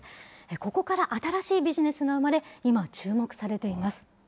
ここから新しいビジネスが生まれ、今、注目されています。